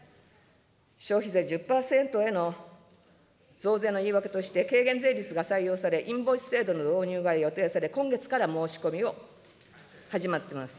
消費税１０％への増税の言い訳として、軽減税率が採用され、インボイス制度の導入が予定され、今月から申し込みを始まってます。